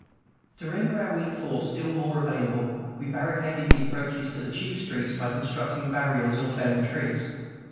To render our weak force still more available, we barricaded the approaches to the chief streets by constructing barriers or felling trees.